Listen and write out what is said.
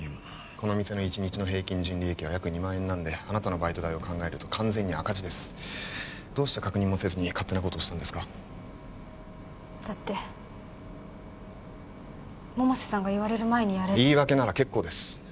この店の一日の平均純利益は約２万円なんであなたのバイト代を考えると完全に赤字ですどうして確認もせずに勝手なことをしたんですかだって百瀬さんが言われる前にやれって言い訳なら結構です